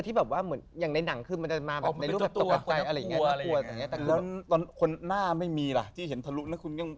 แต่แบบคือด้วยความที่เเบียบเป็นคนเเบียบ